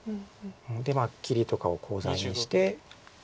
で切りとかをコウ材にして。